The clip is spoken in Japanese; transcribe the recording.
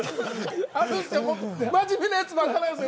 真面目なやつばっかなんですよ。